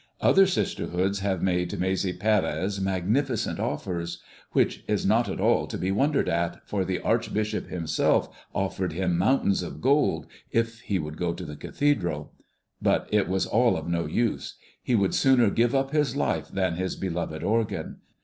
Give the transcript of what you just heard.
Other sisterhoods have made Maese Pérez magnificent offers, which is not at all to be wondered at, for the archbishop himself offered him mountains of gold if he would go to the cathedral. But it was all of no use. He would sooner give up his life than his beloved organ.